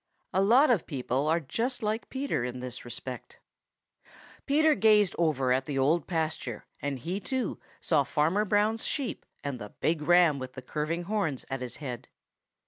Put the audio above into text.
A lot of people are just like Peter in this respect. Peter gazed over at the Old Pasture and he, too, saw Farmer Brown's Sheep and the big Ram with the curving horns at his head.